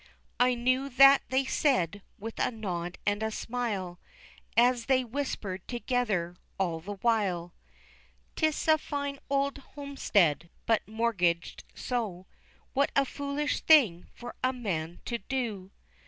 I knew that they said, with a nod and a smile, As they whispered together all the while, ''Tis a fine old homestead, but mortgaged so, What a foolish thing for a man to do!